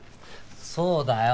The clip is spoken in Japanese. そうだよ。